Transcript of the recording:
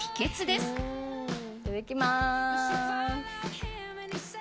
いただきます。